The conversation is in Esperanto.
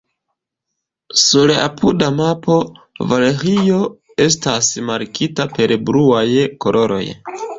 Sur la apuda mapo Valaĥio estas markita per bluaj koloroj.